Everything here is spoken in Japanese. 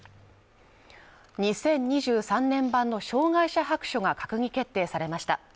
２０２３年版の障害者白書が閣議決定されました。